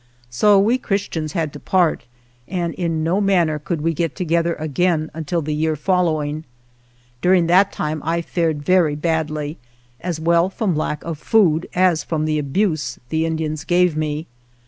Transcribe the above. So we Christians had to part, and in no manner could we get together again until the year following. During that time I fared very badly, as well from lack of food as from the abuse the Indians gave me.